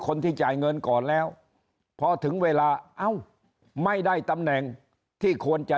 คนที่จ่ายเงินก่อนแล้วพอถึงเวลาเอ้าไม่ได้ตำแหน่งที่ควรจะ